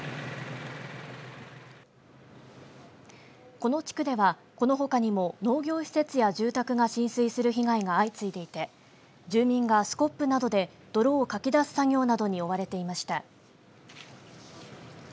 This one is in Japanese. この地区ではこのほかにも農業施設や住宅が床上浸水する被害が相次いでいて住民がスコップなどで泥をかき出す作業などに追われていました。